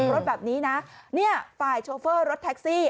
รถแบบนี้นะเนี่ยฝ่ายโชเฟอร์รถแท็กซี่